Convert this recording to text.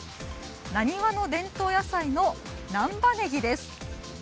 なにわの伝統野菜の難波ねぎです。